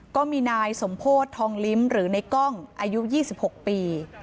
ก็มีนายสมโพธิทองลิ้มหรือในกล้องอายุ๒๖ปี